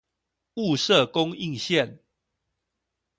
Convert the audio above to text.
霧社供應線